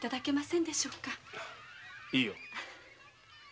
いいよ。